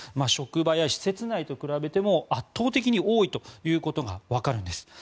職場や施設内と比べても圧倒的に多いということがわかるんです。